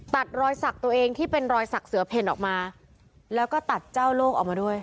ตัดรอยสักตัวเองที่เป็นรอยสักเสือเพ่นออกมาแล้วก็ตัดเจ้าโลกออกมาด้วย